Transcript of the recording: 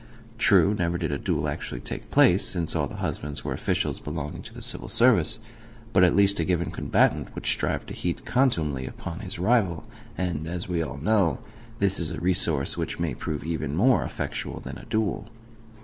True, never did a duel actually take place, since all the husbands were officials belonging to the Civil Service; but at least a given combatant would strive to heap contumely upon his rival, and, as we all know, that is a resource which may prove even more effectual than a duel.